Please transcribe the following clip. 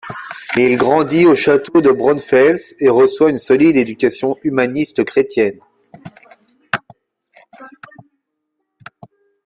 Il grandit au château de Braunfels et reçoit une solide éducation humaniste chrétienne.